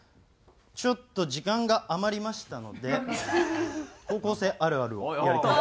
ちょっと時間が余りましたので「高校生あるある」をやりたいと思います。